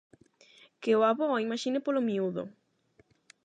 Que o avó o imaxine polo miúdo.